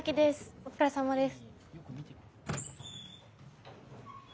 お疲れさまです。